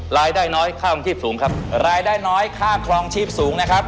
รายได้น้อยค่ากลงชีพสูงนะครับ